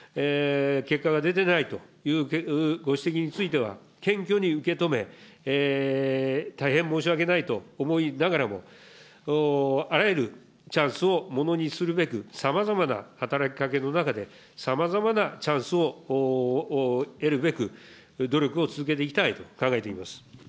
結果が出てないというご指摘については謙虚に受け止め、大変申し訳ないと思いながらも、あらゆるチャンスをものにするべく、さまざまな働きかけの中で、さまざまなチャンスを得るべく、努力を続けていきたいと考えております。